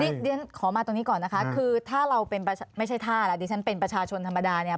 เดี๋ยวขอมาตรงนี้ก่อนนะคะคือถ้าเราเป็นไม่ใช่ท่าแล้วดิฉันเป็นประชาชนธรรมดาเนี่ย